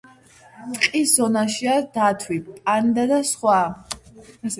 ტყის ზონაშია დათვი, პანდა და სხვა.